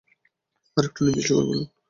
আরেকটু নির্দিষ্ট করে বলুন।